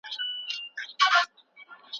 تاسو په لندن کې کوم ډول کار کوئ؟